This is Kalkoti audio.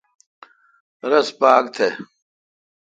رس پاک تھ۔